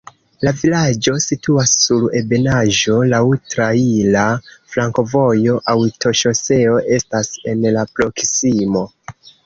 La vilaĝo situas sur ebenaĵo, laŭ traira flankovojo, aŭtoŝoseo estas en la proksimo.